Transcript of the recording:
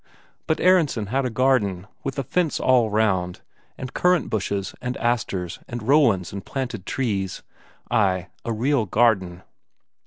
But Aronsen had a garden, with a fence all round, and currant bushes and asters and rowans and planted trees ay, a real garden.